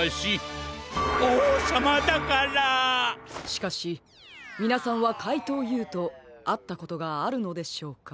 しかしみなさんはかいとうＵとあったことがあるのでしょうか？